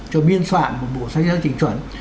cho biên soạn một bộ sách giáo trình chuẩn